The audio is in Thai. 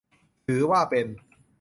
ถือว่าเป็น